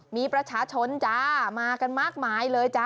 มีประชาชนจ้ามากันมากมายเลยจ้า